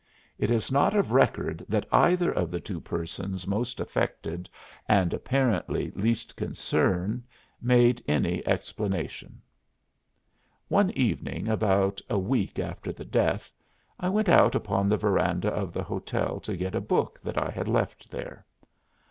It is not of record that either of the two persons most affected and apparently least concerned made any explanation. One evening about a week after the death I went out upon the veranda of the hotel to get a book that I had left there.